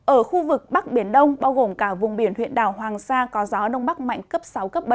ở khu vực bắc biển đông bao gồm cả vùng biển huyện đảo hoàng sa có gió đông bắc mạnh cấp sáu cấp bảy